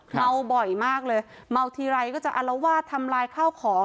เมาบ่อยมากเลยเมาทีไรก็จะอารวาสทำลายข้าวของ